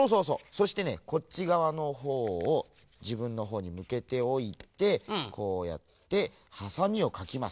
そしてねこっちがわのほうをじぶんのほうにむけておいてこうやってハサミをかきます。